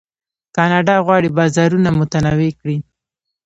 کاناډا غواړي بازارونه متنوع کړي.